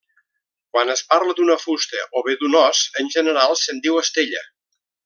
Quan es parla d'una fusta o bé d'un os, en general se'n diu estella.